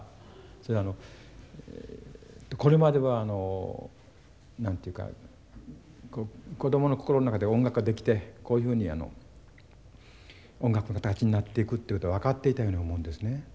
それはあのこれまでは何て言うか子どもの心の中で音楽が出来てこういうふうに音楽の形になっていくっていうこと分かっていたように思うんですね。